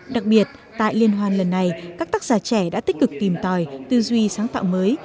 đặc biệt tại liên hoan lần này các tác giả trẻ đã tích cực tìm tòi tư duy sáng tạo mới